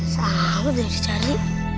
sahabat dari cari